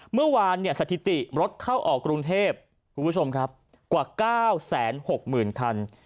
เมื่อวานสถิติรถเข้าออกกรุงเทพฯกว่า๙๖๐๐๐๐คัน